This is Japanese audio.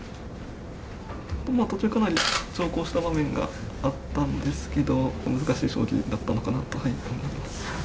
途中かなり長考した場面があったんですけど、難しい将棋だったのかなと思います。